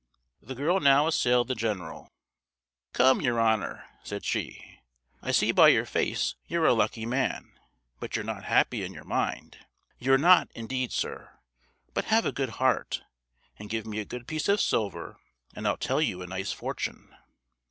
The girl now assailed the general: "Come, your honour," said she, "I see by your face you're a lucky man; but you're not happy in your mind; you're not, indeed, sir; but have a good heart, and give me a good piece of silver, and I'll tell you a nice fortune."